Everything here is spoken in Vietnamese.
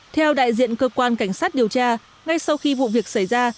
theo đại diện cơ quan cảnh sát điều tra ngay sau khi vụ việc xảy ra